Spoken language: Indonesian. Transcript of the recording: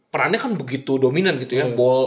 perannya kan begitu dominan gitu ya